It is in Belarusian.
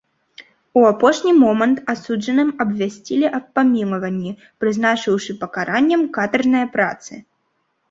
У апошні момант асуджаным абвясцілі аб памілаванні, прызначыўшы пакараннем катаржныя працы.